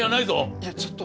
いやちょっと。